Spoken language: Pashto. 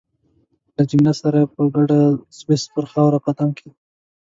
له جميله سره مې په ګډه د سویس پر خاوره قدم کېښود.